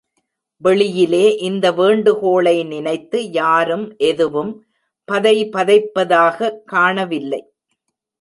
வெளியிலே இந்த வேண்டுகோளை நினைத்து யாரும் எதுவும் பதைபதைப்பதாக காணவில்லை.